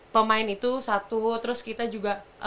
pemain itu satu terus kita juga